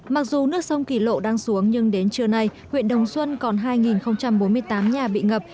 mặc dù nước sông kỳ lộ đang xuống nhưng đến trưa nay huyện đồng xuân còn hai bốn mươi tám nhà bị ngập